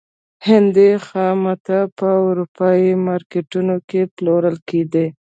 هندي خامتا په اروپايي مارکېټونو کې پلورل کېدل.